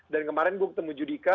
dan kemarin gue ketemu judika